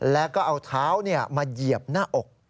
แล้วก็เอาเท้ามาเหยียบหน้าอก